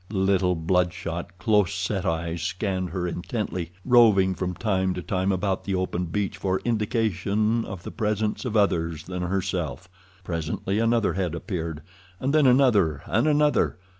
Little, bloodshot, close set eyes scanned her intently, roving from time to time about the open beach for indications of the presence of others than herself. Presently another head appeared, and then another and another.